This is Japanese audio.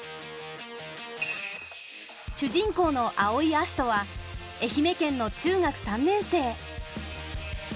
主人公の青井葦人は愛媛県の中学３年生。